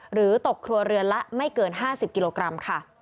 หรือตกครัวเรือนละไม่เกิน๕๐กิโลกรัมค่ะ